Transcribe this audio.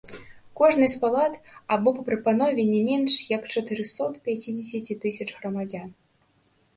Кожнай з палат, або па прапанове не менш як чатырсот пяцідзесяці тысяч грамадзян.